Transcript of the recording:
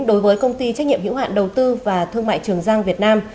đối với công ty trách nhiệm hữu hạn đầu tư và thương mại trường giang việt nam